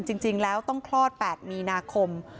จริงแล้วต้องคลอด๘มีนาคม